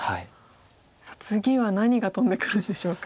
さあ次は何が飛んでくるんでしょうか。